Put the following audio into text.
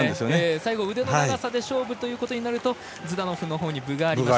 最後、腕の長さで勝負ということになるとズダノフのほうに分があります。